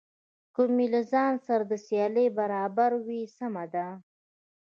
که مې له ځان سره د سیالۍ برابر وي سمه ده.